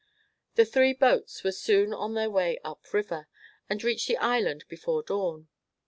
The three boats were soon on their way up river; and reached the island before dawn.